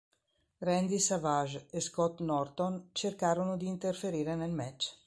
Randy Savage e Scott Norton cercarono di interferire nel match.